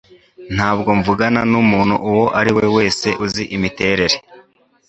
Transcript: Ntabwo mvugana numuntu uwo ari we wese uzi imiterere